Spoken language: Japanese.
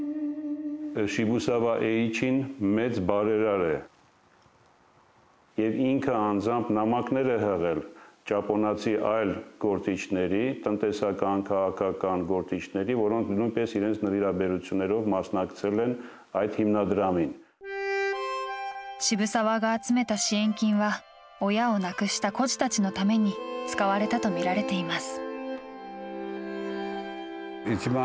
渋沢が集めた支援金は親を亡くした孤児たちのために使われたとみられています。